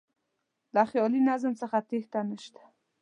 له خیالي نظم څخه تېښته نه شته.